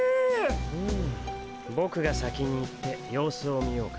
うんボクが先に行って様子を見ようか？